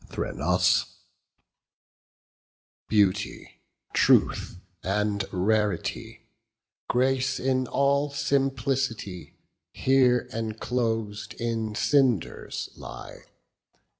THRENOSBEAUTY, truth, and rarity, Grace in all simplicity, Here enclosed in cinders lie.